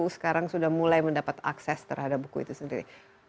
sekarang sudah mulai mendapat akses terhadap buku itu sendiri